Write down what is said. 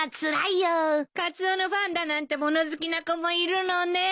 カツオのファンだなんて物好きな子もいるのねえ。